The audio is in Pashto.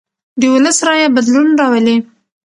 د ولس رایه بدلون راولي